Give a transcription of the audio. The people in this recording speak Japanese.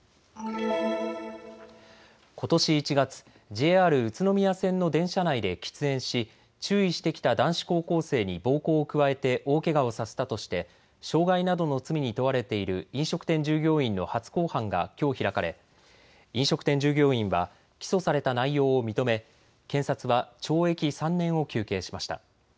ことし１月、ＪＲ宇都宮線の電車内で喫煙し、注意してきた男子高校生に暴行を加えて大けがをさせたとして傷害などの罪に問われている飲食店従業員の初公判がきょう開かれ飲食店従業員は起訴された内容を認め検察は懲役３年を求刑しました。